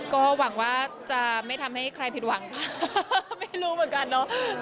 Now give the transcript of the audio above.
ก็หวังว่าจะไม่ทำให้ใครผิดหวังไม่รู้เหมือนกันเนาะ